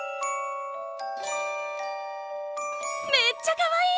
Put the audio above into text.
めっちゃかわいい！